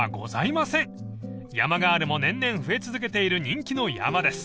［山ガールも年々増え続けている人気の山です］